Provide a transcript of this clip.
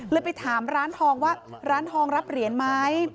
ไปถามร้านทองว่าร้านทองรับเหรียญไหม